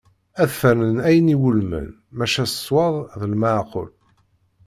Ad fernen ayen i iwulmen maca s ṣṣwad d lmeɛqul.